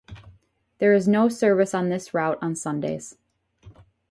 There is no service on this route on Sundays.